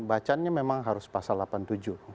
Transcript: bacaannya memang harus pasal delapan puluh tujuh